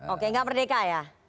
oke gak merdeka ya